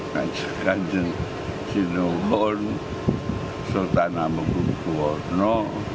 kajakan sinuhon sultan hamengkubwono